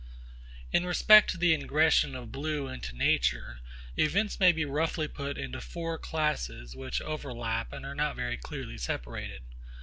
In respect to the ingression of blue into nature events may be roughly put into four classes which overlap and are not very clearly separated.